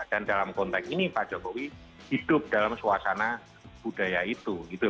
dan dalam konteks ini pak jokowi hidup dalam suasana budaya itu